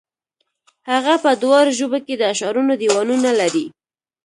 هغه په دواړو ژبو کې د اشعارو دېوانونه لري.